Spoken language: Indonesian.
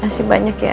masih banyak ya